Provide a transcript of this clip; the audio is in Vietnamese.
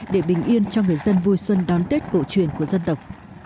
để bình yên cho người dân vui xuân đón tết cổ truyền của dân tộc